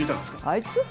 あいつ？